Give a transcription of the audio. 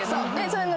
そう。